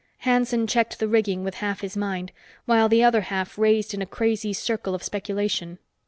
Hanson checked the rigging with half his mind, while the other half raced in a crazy circle of speculation.